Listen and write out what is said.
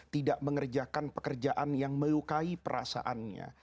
tidak mengerjakan pekerjaan yang melukai perasaannya